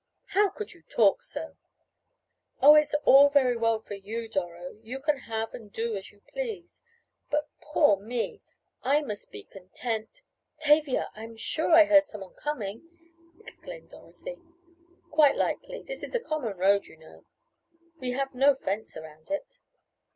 "How can you talk so?" "Oh, it's all very well for you, Doro. You can have and do as you please; but poor me! I must be content " "Tavia, I am sure I heard someone coming!" exclaimed Dorothy. "Quite likely. This is a common road, you know. We have no fence around it."